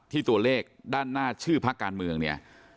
ตัวเลขด้านหน้าชื่อพักการเมืองเนี่ย